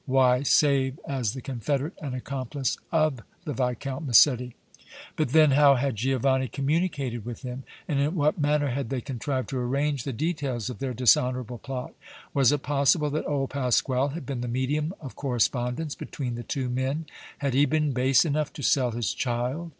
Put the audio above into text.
Why, save as the confederate and accomplice of the Viscount Massetti? But then how had Giovanni communicated with him, and in what manner had they contrived to arrange the details of their dishonorable plot? Was it possible that old Pasquale had been the medium of correspondence between the two men. Had he been base enough to sell his child?